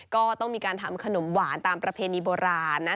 ก็ต้องมีการทำขนมหวานตามประเพณีโบราณ